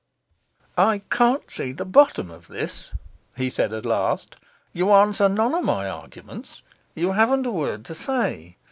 'I can't see the bottom of this,' he said at last. 'You answer none of my arguments; you haven't a word to say.